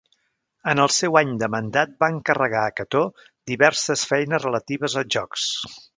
En el seu any de mandat va encarregar a Cató diverses feines relatives als jocs.